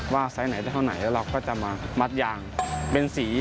ไซส์ไหนได้เท่าไหนแล้วเราก็จะมามัดยางเป็นสี